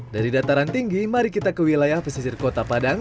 dari dataran tinggi mari kita ke wilayah pesisir kota padang